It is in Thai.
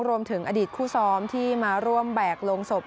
รวมถึงอดีตคู่ซ้อมที่มาร่วมแบกลงศพ